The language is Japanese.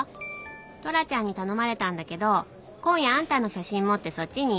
「トラちゃんに頼まれたんだけど今夜あんたの写真持ってそっちに行くねー」